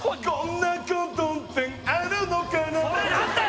こんなことってあるのかな